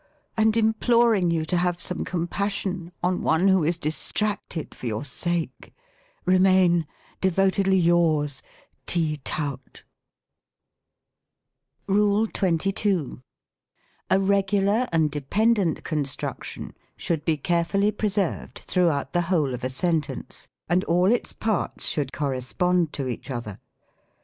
and imploring you to have some compassion on one who is distracted for your sake Remain Devotedly yours T. Tout, 100 THE COMIC ENGLISH GKAMMAE RULE XXII. A Regular and dependent construction should be care fully preserved throughout the whole of a sentence, and all its parts should correspond to each other.